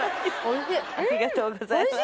ありがとうございます。